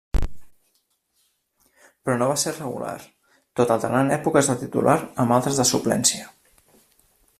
Però, no va ser regular, tot alternant èpoques de titular amb altres de suplència.